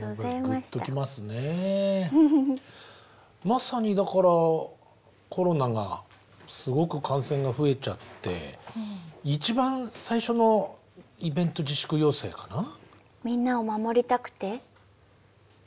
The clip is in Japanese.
まさにだからコロナがすごく感染が増えちゃって一番最初のイベント自粛要請かな。